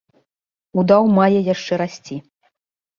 Удаў мае яшчэ расці.